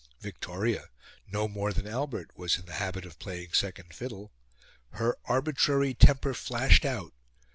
Victoria, no more than Albert, was in the habit of playing second fiddle. Her arbitrary temper flashed out.